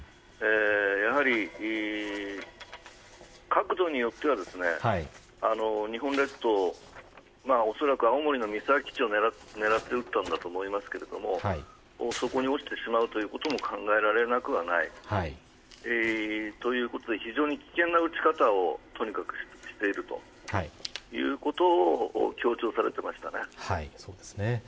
やはり、角度によっては日本列島を恐らく青森の三沢基地を狙って撃ったんだと思いますけれどもそこに落ちてしまうことも考えられなくはないということで非常に危険な撃ち方をとにかくしているということを強調されてましたね。